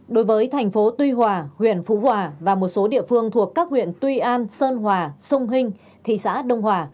đối với thành phố tuy hòa huyện phú hòa và một số địa phương thuộc các huyện tuy an sơn hòa sông hinh thị xã đông hòa